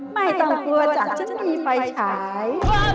ไม่ต้องเผื่อจ่างจะมีไฟฉาย